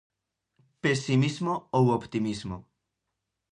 Pesimismo ou optimismo.